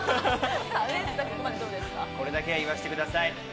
これだけは言わせてください。